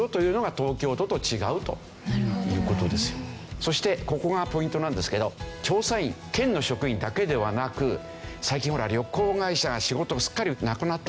そしてここがポイントなんですけど調査員県の職員だけではなく最近ほら旅行会社が仕事すっかりなくなってるでしょ。